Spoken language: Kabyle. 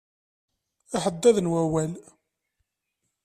Aḥeddad n wawal.